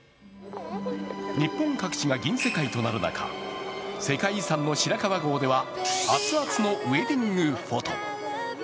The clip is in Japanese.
日本各地が銀世界となる中、世界遺産の白川郷では熱々のウエディングフォト。